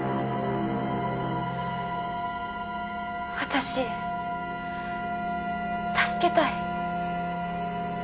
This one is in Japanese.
私助けたい。